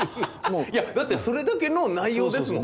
いやだってそれだけの内容ですもん。